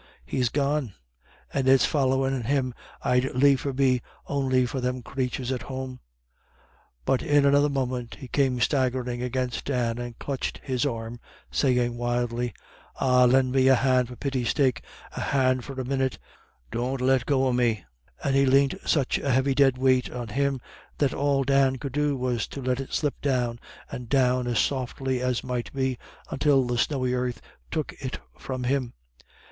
He's gone. And it's follyin' him I'd liefer be, on'y for them crathurs at home." But in another moment he came staggering against Dan, and clutched his arm, saying wildly: "Ah, lend me a hand for pity's sake a hand for a minyit. Don't let go of me." And he leant such a heavy dead weight on him that all Dan could do was to let it slip down and down as softly as might be, until the snowy earth took it from him.